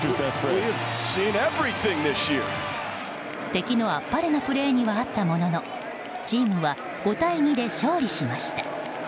敵のあっぱれなプレーには遭ったもののチームは５対２で勝利しました。